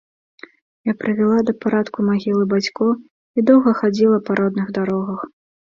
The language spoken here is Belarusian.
Я прывяла да парадку магілы бацькоў і доўга хадзіла па родных дарогах.